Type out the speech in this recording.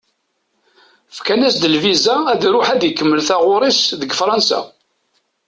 Fkan-as-d lviza ad iṛuḥ ad ikemmel taɣuṛi-s deg Fransa.